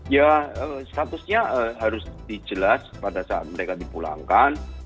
ya statusnya harus dijelas pada saat mereka dipulangkan